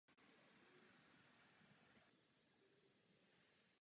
Dále ji můžeme najít na Aljašce a v západní Kanadě.